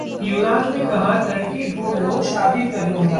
युवराज ने कहा, लड़की ढूंढ लो, शादी कर लूंगा